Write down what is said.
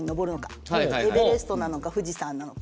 エベレストなのか富士山なのか。